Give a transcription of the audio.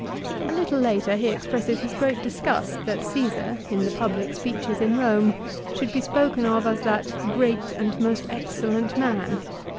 4 A little later he expresses his great disgust that Csesar, in the public speeches in Eome, should be spoken of as that " great and most excellent man."